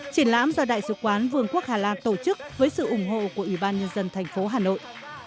triển lãm do đại sứ quán vương quốc hà lan tổ chức với sự ủng hộ của ủy ban nhân dân thành phố hà nội